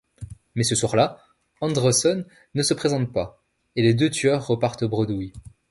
Mais, ce soir-là, Andreson ne se présente pas, et les deux tueurs repartent bredouille.